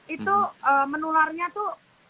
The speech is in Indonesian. itu menularnya itu